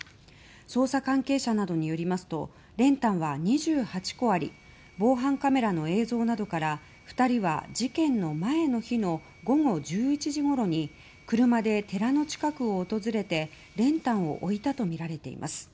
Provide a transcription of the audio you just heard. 捜査関係者などによりますと練炭は２８個あり防犯カメラの映像などから２人は事件の前の日の午後１１時ごろに車で寺の近くを訪れて練炭を置いたとみられています。